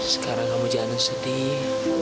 sekarang kamu jangan sedih